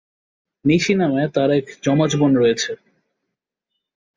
নিশি নামে তার এক যমজ বোন রয়েছে।